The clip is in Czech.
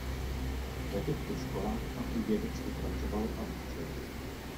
Na těchto školách pak i vědecky pracoval a učil.